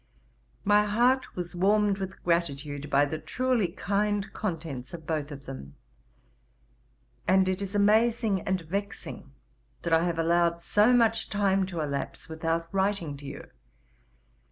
'My heart was warmed with gratitude by the truely kind contents of both of them; and it is amazing and vexing that I have allowed so much time to elapse without writing to you.